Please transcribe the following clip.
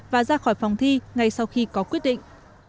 và ra khỏi phòng thi ngay sau khi có quyết định